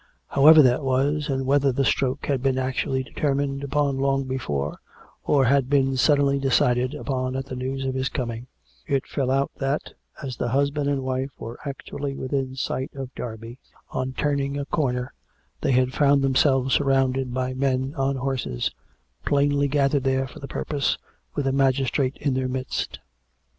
How ever that was, and whether the ."rtroke had been actually determined upon long before, or had been suddenly de cided upon at the news of his coming, it fell out that, as the husband and wife were actually within sight of Derby, on turning a corner they had found themselves surrounded by men on horses, plainly gathered there for the purpose, with a magistrate in the midst.